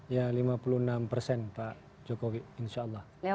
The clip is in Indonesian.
ya lima puluh enam persen pak jokowi insya allah